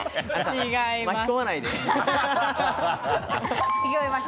違います。